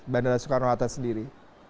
bandara soekarno latah sendiri